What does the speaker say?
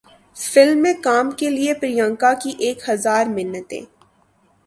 film میں کام کیلئے پریانکا کی ایک ہزار منتیں